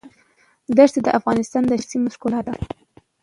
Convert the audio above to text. دښتې د افغانستان د شنو سیمو ښکلا ده.